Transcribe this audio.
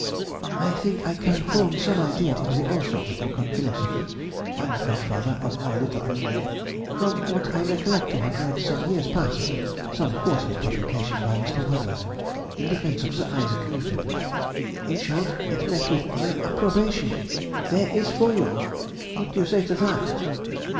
I think I can form some idea of the author of the book on philosophy (and godfather of our little Amelia), from what I recollect to have read some years past in some quarterly publication by a Mr. Whewell, in defence of Sir Isaac Newton. In short, it met with my approbation! There is for you! What do you say to that?